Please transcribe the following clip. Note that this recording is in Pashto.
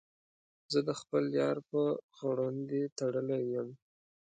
زه د خپل یار په غړوندي تړلی یم.